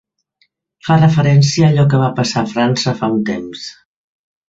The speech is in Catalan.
Fa referència a allò que va passar a França fa un temps.